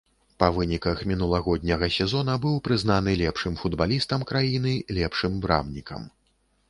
Па выніках мінулагодняга сезона быў прызнаны лепшым футбалістам краіны, лепшым брамнікам.